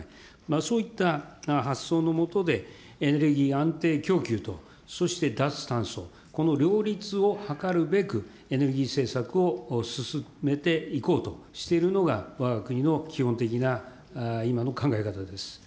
そういった発想の下で、エネルギー安定供給と、そして脱炭素、この両立を図るべく、エネルギー政策を進めていこうとしているのが、わが国の基本的な今の考え方です。